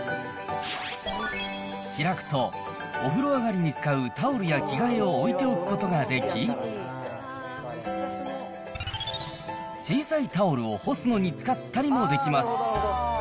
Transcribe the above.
開くと、お風呂上がりに使うタオルや着替えを置いておくことができ、小さいタオルを干すのに使ったりもできます。